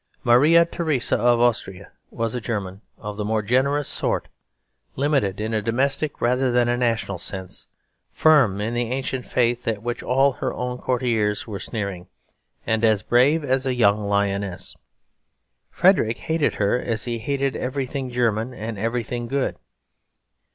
Maria Theresa of Austria was a German of the more generous sort, limited in a domestic rather than a national sense, firm in the ancient faith at which all her own courtiers were sneering, and as brave as a young lioness. Frederick hated her as he hated everything German and everything good.